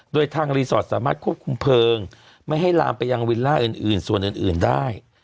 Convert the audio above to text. โดยทางรีสอร์ทสามารถควบคุมเพลิงไม่ให้ลามไปยังวิลล่าอื่นส่วนอื่นได้